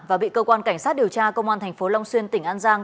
và bị cơ quan cảnh sát điều tra công an tp long xuyên tỉnh an giang